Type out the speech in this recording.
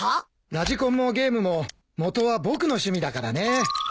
ラジコンもゲームも元は僕の趣味だからね。